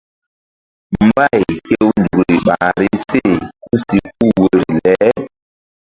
Mbay hew nzukri ɓahri se ku si puh woyri le.